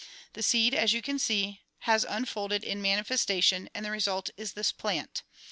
The seed, as you can see, has ini folded in manifestation and the result is this plant.